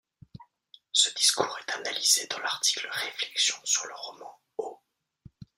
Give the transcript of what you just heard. Ce discours est analysé dans l'article Réflexions sur le roman au.